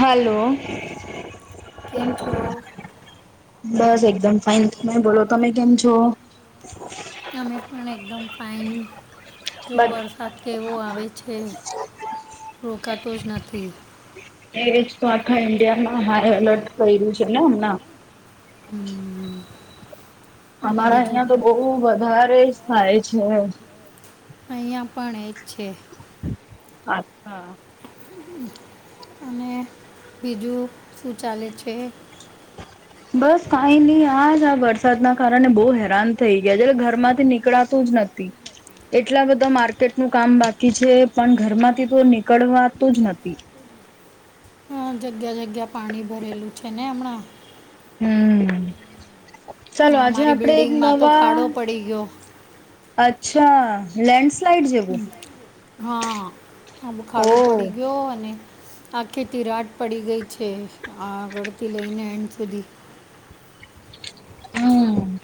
Hello. બસ એકદમ fine તમે બોલો તમે કેમ છો? તમે પણ એકદમ ફાઇન જો વર્ષો- - વાત કે એવો આવે છે રોકાતો જ નથી. એજ તો આખા ઈન્ડિયામાં હાઈ એલર્ટ કર્યું છે ને હમણાં? હમ. અમારા અહિયાં તો બહુ વધારે જ થાય છે. અહીંયા પણ એ જ છે. અચ્છા. અને બીજું શું ચાલે છે? [unintelligible] બસ કઈ નહી આજ આ વરસાદના કારણે બહુ હેરાન થઈ ગયાટ ઘર માંથી નીકળા- - તુજ નથી. એટલા બધા માર્કેટનું કામ બાકી છે પણ ઘરમાંથી તો નીકળવાત જ નથી. અ જગ્યા જગ્યા પાણી ભરેલું છે ને હમણાં? હમ ચાલો આજે આપડે એક નવા- - અચ્છા લેન્ડ સ્લાઈડ જેવું? હા આ બ ખાડું પડી ગયો અને- - આખેતી તીરાટ પડી ગઈ છે આ આગળથી લઈને એડ સુધી- - હમ.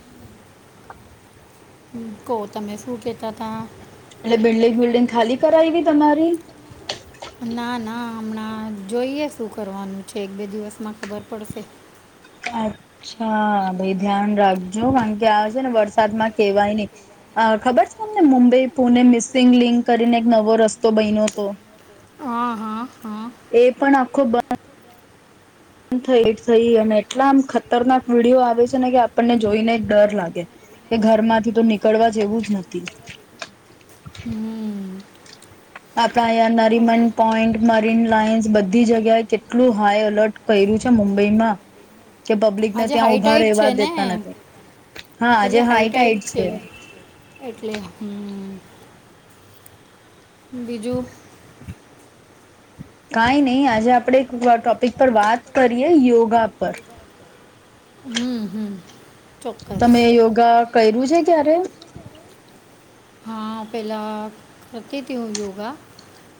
કહ તમે શું કહેતા હતા? એટલે બિલ્ડીિંગ બિલ્ડિંગ ખાલી કરાવવી તમારી? ના ના હમણાં જોઈએ શું કરવાનું છે એક બે દિવસમાં ખબર પડશે. અચ્છા ભાઈ ધ્યાન રાખજો કારણ કે આવે છે ને વરસાદમાં કેવાય નહી- - હ ખબર છે તમને મુંબઈ પુણે મિસિંગ લિંક કરીને એક નવો રસ્તો બનો હતો? હા હા હા. એ પણ આખો બ- - થ થઈ અને એટલામ ખતરનાક વિીડીિયો આવે છે ને કે આપણને જોઈ ને ડર લાગે. કે ઘર માંથી તો નીકળવા જેવું જ નથી. હમ. આપણા અહીંયા નરીમન પોઈન્ટ મરીન લાાઈન્સ બધી જગ્યાએ કેટલું હાઈ એલર્ટ. કર્યું છે મુંબઈમાં. કે પબ્લિકને ત્યાં ઊભા રહેવા દેતા નથી હા જે હાઈટાઈટ છે. એટલે હમ. બીજું. [unintelligible] કાઈ નહી આજે આપણે એક ટોપિક પર વાત કરીએ યોગા પર. [unintelligible] હમ હમ. તમે યોગા કર્યું છે ક્યારે. હા પહેલા કરતી હતી હું યોગા.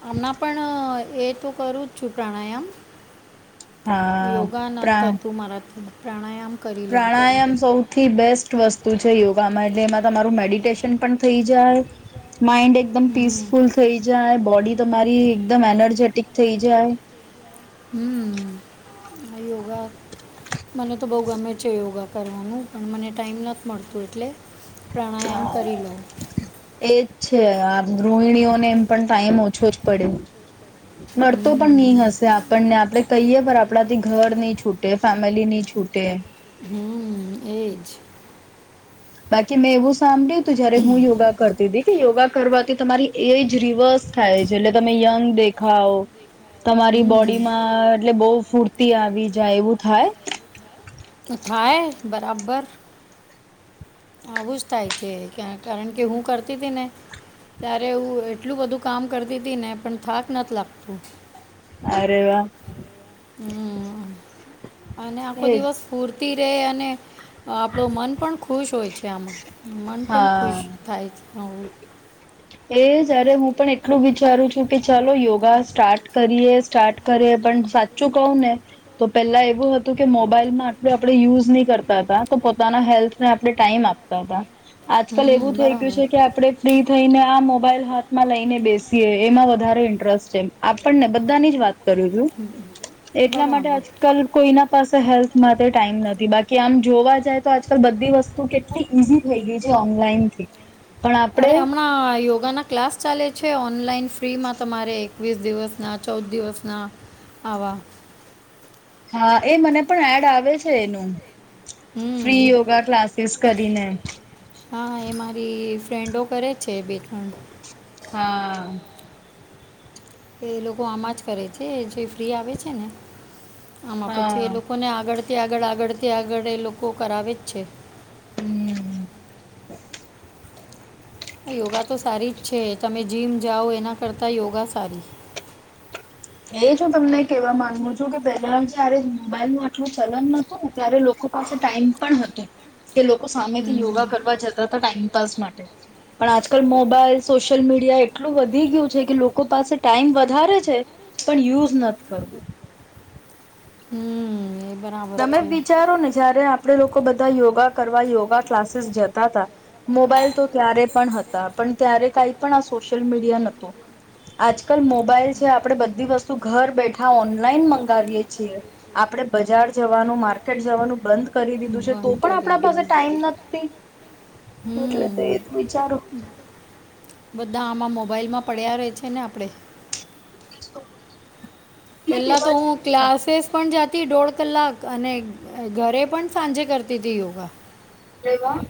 હમણાં પણ એ તો કરું જ છું પ્રાણાયામ. યોગા ના થતું મારાથી. પ્રાણાયામ સૌ. થી બેસ્ટ વસ્તુ છે યોગામાં એટલે એમાં તમારું મેડિટેશન પણ થઈ જાય માઇન્ડ એક. એકદમ પીસફુલ થઇ જાય બોડી તમારી એકદમ એનર્જેટિક થઇ જાય. હમ. મને તો બહુ ગમે છે યોગા કરવાનું પણ મને ટાઈમ નથી મળતું એટલે. પ્રાણાયામ કરી લો. એજ છે આ ગૃહિણીઓને એમ પણ ટાઈમ ઓછો જ પડે. મળતો પણ નહી હશે આપ. પણ ને આપડે કહીએ પણ આપણાથી ઘર નહી છૂટે ફેમિલી નહી છૂટે. હમ એજ. બાકી મેં એવું સાંભળ્યું તું જયારે હું યોગા કરતી હતી કે યોગા કરવાથી તમારી. એ જ રિવર્સ થાય એટલે તમે યંગ દેખાવ. તમારી બોડીમાં એટલે બહુ ફૂર્તી આવી જાય એવું થાય. તો થાય બરાબર. આવું જ થાય છે કારણ કે હું કરતી હતી ને. ત્યારે હું એટલું બધું કામ કરતી હતી ને પણ થાક નથી લાગતું. અરે વાહ. હમ. અને આખો દિવસ ફૂરતી રે અને આપણો મન પણ ખુશ હોય છે આમાં. મન પણ ખુશ થાય છે આવું. એ જયારે હું પણ એટલું વિચારું છું કે ચાલો યોગા સ્ટાર્ટ કરીએ સ્ટાર્ટ. કરે પણ સાચું કહું ને. તો પહેલા એવું હતું કે મોબાઈલમાં આટલું આપણે યુઝ નહી કરતા હતા તો પોતાના હેલ્થને આપણે ટાઈમ આપ. તા તા આજકાલ એવું થઈ ગયું છે કે આપડે ફ્રી થઈને. મોબાઈલ હાથમાં લઈને બેસીએ એમાં વધારે ઇન્ટરેસ્ટ છે આપણને બધાની જ વાત. કરું છું એટલા માટે આજકાલ કોઈના. પાસે હેલ્થ માટે ટાઈમ નથી બાકી આમ જોવા જાય તો આજકાલ બધી વસ્તુ કેટલી. ઈઝી થઈ ગઈ છે ઓનલાઈનથી. અરે હમણાં યોગા ના ક્લાસ ચાલે છે ઓનલાઈન ફ્રીમાં તમારે. વીસ દિવસના ચૌદ દિવસના આવા. હા એ મને પણ એડ આવે છે એનું ફ્રી યોગા ક્લાસ. તેસ કરીને. હા એ મારી ફ્રેન્ડો કરે છે બે ત્રણ. હા. કે એ લોકો આમાં જ કરે છે જે ફ્રી આવે છે ને આમાં પછી એ લોકોને આગળ. ત્યાં આગળ આગળ ત્યાં આગળ એ લોકો કરાવે જ છે. હમ. યોગા તો સારી જ છે તમે જીમ જાઓ એના કરતાં યોગા સારી એજ હું તમને કેહેવા માંગુ છું કે પેલા જ્યારે મોબાઈલ નું આટલું ચલન નતુંને ત્યારે લોકો પાસે ટાઈમ પણ હતો કે લોકો સામેથી યોગા કરવા જતા હતા ટાઈમપાસ માટે પણ આજકાલ મોબાઈલ સોશિયલ મીડિયા એટલું વધી ગયું છે કે લોકો પાસે ટાઈમ વધારે છે. પણ યુઝ નથી કરવું હમ એ બરાબર તમે વિચારો ને જયારે આપણે લોકો બધા યોગા કરવા યોગા ક્લાસીસ જતા હતા મોબાઈલ તો ત્યારે પણ હતા પણ ત્યારે કઈ પણ આ સોશિયલ મીડિયા નહોતું આજકાલ મોબાઈલ છે આપણે બધી વસ્તુ ઘર બેઠા ઓનલાઈન મંગાવીએ છીએ આપડે બજાર જવાનું માર્કેટ જવાનું બંધ કરી દીધું છે તો પણ આપણા પાસે ટાઈમ નથી એટલે તો એ વિચારો બધા આમાં મોબાઈલમાં પડ્યા રે છે ને આપડે પેલા તો હું ક્લાસીસ પણ જાતી દોઢ કલાક અને ઘરે પણ સાંજે કરતી હતી યોગા રેવા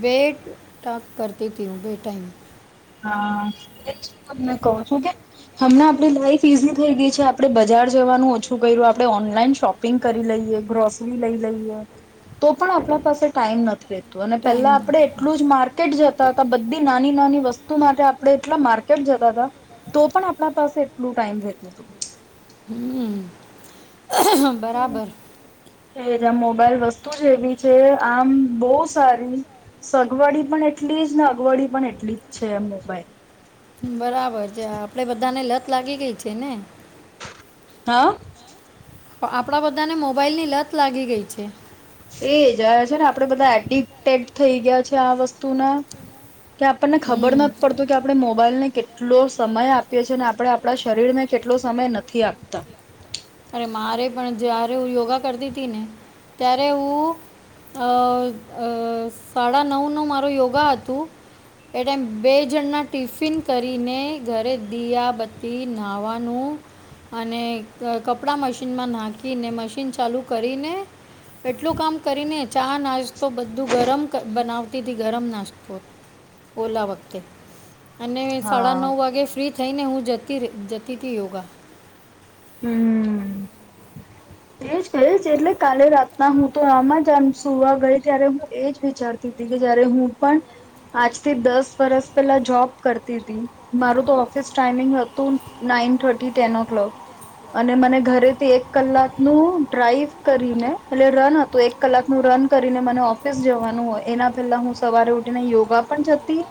બે કામ કરતી હું બે ટાઈમ હા એ જ તમને કહું છું કે હમણા આપણી લાાઈફ ઈઝી થઈ ગઈ છે આપડે બજાર જવાનું ઓછું કર્યું આપડણે ઓનલાઈન શોપ શપિંગ કરી લઈએ ગ્રોસરી લઈ લઈએ તો પણ આપણા પાસે ટાઈમ નથી તો અને પેલા આપડે એટલું જ માર્કેટ જતા હતા બધી નાની નાની વસ્તુ માટે આપણે એટલા માર્કેટ જતા હતા તો પણ આપણા પાસે એટલું ટાઈમ રહેતું હતું હમ બરાબર એજ મોબાઈલ વસ્તુ એવી છે આમ બહુ સારી સગવડી પણ એટલી જ ને અગવડી પણ એટલી જ છે એમ મોબાઈલ બરાબર છે આપડે બધા ને લત લાગી ગયઈ છે ને હા આપણા બધાને મોબાઈલ ની લત લાગી ગઈ છે. એ જ છે ને આપડે બધા એડિક્ટેડ થઈ ગયા છે આ વસ્તુના કે આપણને ખબર નથી પડતું કે આપણે મોબાઈલ ને કેટલો સમય આપીએ છે અને આપણે આપણા શરીર ને કેટલો સમય નથી આપતા અરે મારે પણ જ્યારે હું યોગા કરતી હતી ને ત્યારે હું સાડા નવ ન મારું યોગા હતું એટાઈમ બે જણના ટિફિન કરીને ઘરે દીયાબત્તી નહાવાનું અને કપડા મશીનમાં નાખીને મશીન ચાલુ કરીને એટલું કામ કરીને ચા નાસ્તો બધું ગરમ બનાવતી ગરમ નાસ્તો હતો [inaudible] ઓલા વખતે અને સાડા નવ વાગે ફ્રી થઈને હું જતી જતી હતી યોગા હમ એજ એજ છે એટલે કાલે રાતના હું તો આમાં જામ સુવા ગઈ ત્યારે હું એ જ વિચારતી હતી કે જયારે હું પણ આજથી દસ વર્ષ પેલા જોબ કરતી હતી મારું તો ઓફિસ ટાઈમિંગ હતું nine thirty ten o'clock અને મને ઘરેથી એક કલાક નું ડ્રાઈવ કરીને એટલે રન હતું એક કલાક નું રન કરીને મને ઓફિસ ઓફિસ જવાનું હોય એના પહેલા હું સવારે ઉઠીને યોગા પણ જતી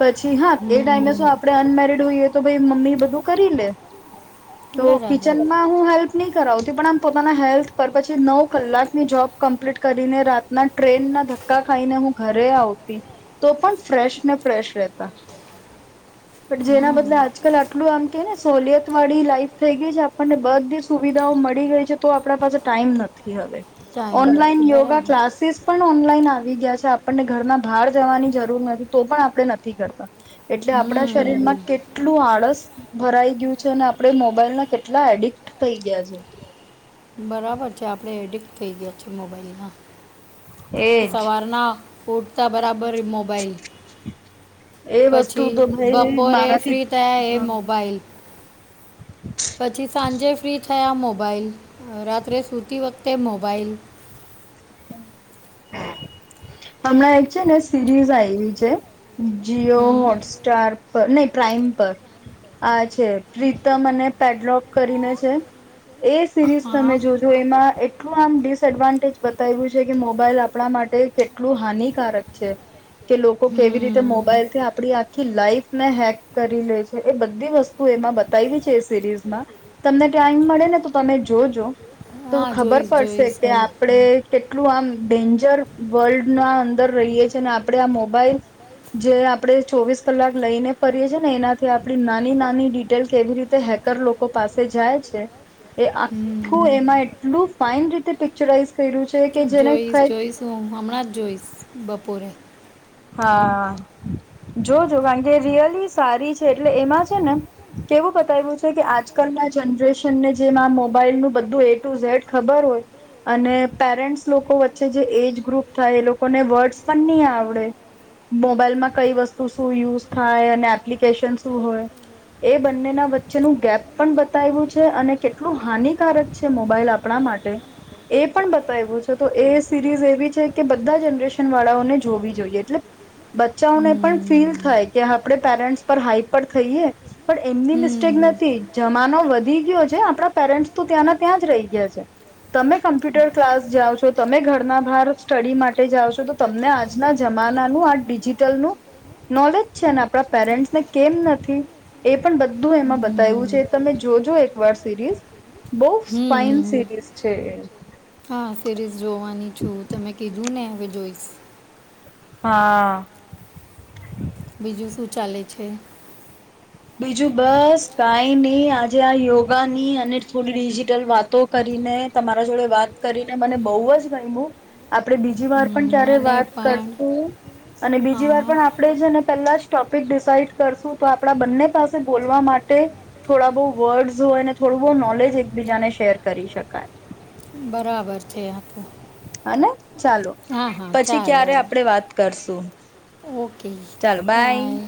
પછી હા એ ટાઈમે જો આપડણે અનમેરિડ હોઈએ તો ભાઈ મમ્મી બધું કરી લે તો કિચનમાં હું હેલ્પ નહી કરાવતી થી પણ આમ પોતાના હેલ્થ પર પછી નવ કલાકની જોબ કમ્પ્લીટ કરીને રાતના ટ્રેનના ધ ધક્કા ખાઈને હું ઘરે આવતી તો પણ ફ્રેશ ને ફ્રેશ રહેતા. પણ જેના બદલે આજકાલ આટલું આમ કે ને સહુલિયત વાળી લાઈફ થઈ ગઈ છે. આપણને બધી સુવિધાઓ મળ મળી ગઇ છે તો આપડા પાસે ટાઈમ નથી હવે ઓનલાઇન યોગા ક્લાસીસ પણ ઓનલાઈન આવી ગયા છે. આપણને ઘરના બહાર જવાની જરૂર નથી તો પણ આપણે નથી કરતા. એટલે આપણા શરીરમાં કેટ કેટલું આળસ ભરાઈ ગીયું છે અને આપડે મોબાઈલ ના કેટલા એડિક્ટ થઈ ગયા છે. બરાબર છે આપણેે એડિક્ટ થઈ ગયા છે મોબાઈલમાં સવારના ઊઠતા બરાબર મોબાઈલ પછી બપોરે ફ્રી થાય એ મોબાઈલ પછી સાંજે ફ્રી થયા મોબાઈલ રાત્રે સુતી વખતે મોબાાઈલ હમણાં એક છે ને સિરીઝ આયવી છે. જીઓ હોટસ્ટાર પર નય પ્રાઈમ પર આ છે પ્રીતમ અને પેડલોગ કરીને છે. એ સિરીઝ તમે જોજો એમાં એટલું આમ ડિસડવાન્ટેજ થયેલું છે કે મોબાઈલ આપણા માટે કેટલું હાનિકારક છે. કે લોકો કેવી રીતે મોબાઈલથી આપડી આખી લાઈફ ને હેક કરી લે છે. એ બધી વસ્તુ ઓ એમાં બતાવી છે એ સિરીઝમાં તમને ટાઈમ મળે ને તો તમે જોજો. તો ખબર પડશે કે આપડે કેટલું આમ ડેન્જર વર્લ્ડ ના અંદર રહીએ છે ને આપણે આ મોબાઈલ જે આપણે ચોવીસ કલાક લઈને ફરીએ છીએ ને એનાથી આપડી નાની નાની ડિટેલ એવી રીતે હેક હેકર લોકો પાસે જાય છે. એ આખું એમાં એટલું ફાઈન રીતે પિક્ચરાઈઝ કર્યું છે કે જેને કઈ તો હમણાં જ જોઈશ બપોરે. હા જોજો વાંધો રિયલી સારી છે એટલે એમાં છેને કેવું બતાવ્યું છે કે આજકાલના જનરેશનને જેના મોબાઈલનું બધું એ ટુ ઝેડ ખબર હોય અને પેરેન્ટ્સ લોકો વચ્ચે જે એજ ગ્રુપ થાય એ લોકોને વર્ડ્સ પણ નય આવડે. મોબાઈલમાં કઈ વસ્તુ શું યુઝ થાય અને એપ્લિકેશન શું હોય એ બંને ના વચ્ચેનું ગેપ પણ બતાયવુ છે અને કેટલું હાનિકારક છે મોબાઈલ આપ આપણા માટે એ પણ બતાયવુ છે તો એ સિરીઝ એવી છે કે બધા જનરેશન વાળાઓને જોવી જોઈએ. એટલે બચ્ચાઓને પણ ફીલ થાય કે આપણે પેરેન્ટ્સ પર હાઈપર થઈએ. પણ એમની મિસ્ટેક નથી જમાનો વધી ગયો છે આપણા પેરેન્ટ્સ તો ત્યાંના ત્યાં જ રહી ગયા છે. તમે કમ્પ્યુટર ક્લાસ જાઓ છો, તમે ઘરના બહાર સ્ટડી માટે જાઓ છો તો તમને આજના જમ- જમાના નું, આ ડિજિટલનું નોલેજ છેને આપણા પેરેન્ટસને કેમ નથી. એ પણ બધું એમાં બતાયવું છે તમે જોજો એકવાર સિરીઝ. બો ફાઈન સિરીઝ છે એ. હા સિરીઝ જોવાની છું તમે કીધુંને હવે જોઈશ. હા. બીજું શું ચાલે છે? બીજું બસ કાઈ ની આજે આ યોગાની અને થોડી ડિજિટલ વાતો કરીને તમારા જોડે વાત કરીને મને બોવ જ ગયમુ. આપડે બીજીવાર પણ જ્યારે વાત કરશું અને બીજી વાર પણ આપણે છે ને પેલાજ ટોપીક ડિસાઇડ કરશું કે આપડા બંને થસે બોલવા માટે થોડા બો વર્ડસ હોય ને, થોડું બો નોલેજ એકબીજાને શેર કરી શકાય. બરાબર છે આપનું અને ચાલો પછી ક્યારે આપડે વાત કરશું. ઓકે હા.